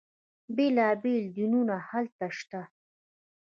بیلا بیل دینونه هلته شته.